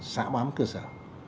xã bám cơ sở